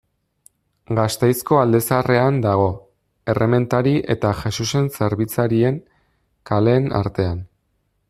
Gasteizko Alde Zaharrean dago, Errementari eta Jesusen Zerbitzarien kaleen artean.